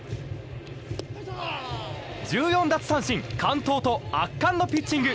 １４奪三振完投と圧巻のピッチング。